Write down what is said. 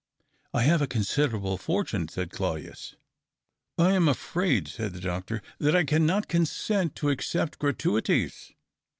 " I have a considerable fortune," said Claudius. " I am afraid," said the doctor, " that I cannot consent to accept gratuities."